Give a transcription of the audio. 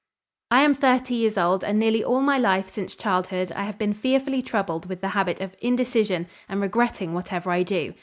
"I am thirty years old and nearly all my life since childhood I have been fearfully troubled with the habit of indecision and regretting whatever I do.